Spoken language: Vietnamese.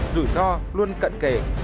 rủi ro luôn cận kề